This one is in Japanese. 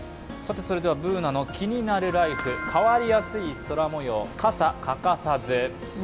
「ＢｏｏｎａのキニナルＬＩＦＥ」変わりやすい空模様、傘欠かさず。